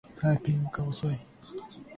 タイピングが遅い